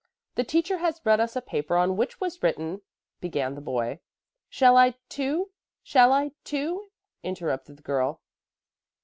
"The teacher has read us a paper on which was written " began the boy. "Shall I, too; shall I, too?" interrupted the girl.